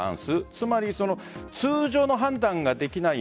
つまり通常の判断ができない